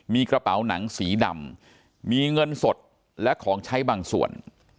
มีกระเป๋าหนังสีดำมีเงินสดและของใช้บางส่วน